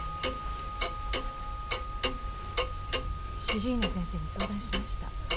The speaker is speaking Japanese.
主治医の先生に相談しました。